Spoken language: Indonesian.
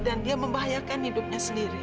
dan dia membahayakan hidupnya sendiri